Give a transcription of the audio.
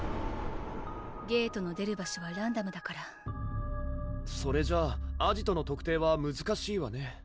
ゲートの出る場所はランダムだからそれじゃあアジトの特定はむずかしいわね